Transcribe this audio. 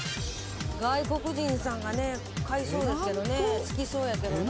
外国人さんがね買いそうですけどね好きそうやけどね。